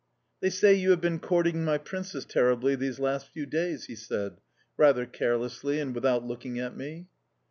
"They say you have been courting my princess terribly these last few days?" he said, rather carelessly and without looking at me.